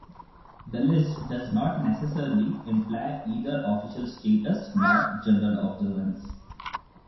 This list does not necessarily imply either official status nor general observance.